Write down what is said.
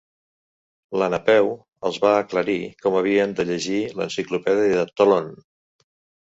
La Napeu els va aclarir com havien de llegir l'enciclopèdia de Tlön.